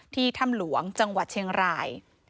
ถ้ำหลวงจังหวัดเชียงราย